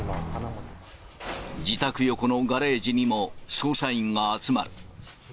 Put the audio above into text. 自宅横のガレージにも捜査員が集まる。